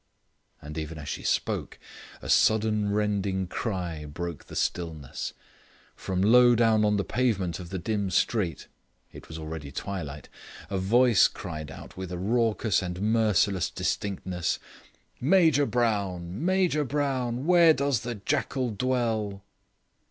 And even as she spoke, a sudden rending cry broke the stillness. From low down on the pavement of the dim street (it was already twilight) a voice cried out with a raucous and merciless distinctness: "Major Brown, Major Brown, where does the jackal dwell?"